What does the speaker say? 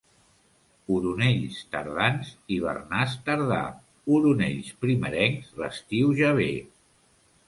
Oronells tardans, hivernàs tardà; oronells primerencs, l'estiu ja ve.